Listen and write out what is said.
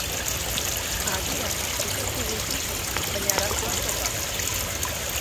Agian guk ez dugu ikusi, baina arazoa hor dago.